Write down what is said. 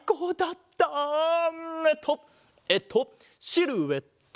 えっとえっとシルエット！